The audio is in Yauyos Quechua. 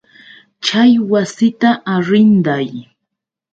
Chay wasita arrinday.